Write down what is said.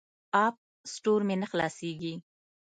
اپ سټور مې نه خلاصیږي.